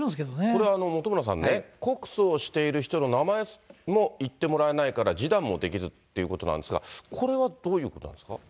これ、本村さんね、告訴をしている人の名前も言ってもらえないから、示談もできずっていうことなんですが、これはどういうことなんですか。